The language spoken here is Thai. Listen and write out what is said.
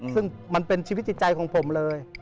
ซึ่งมันเป็นชีวิตจิตใจของผมเลย